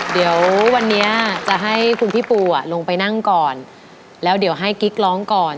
เดี๋ยววันนี้จะให้คุณพี่ปูลงไปนั่งก่อนแล้วเดี๋ยวให้กิ๊กร้องก่อน